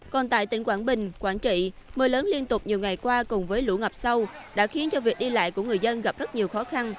còn tại tỉnh quảng bình quảng trị mưa lớn liên tục nhiều ngày qua cùng với lũ ngập sâu đã khiến cho việc đi lại của người dân gặp rất nhiều khó khăn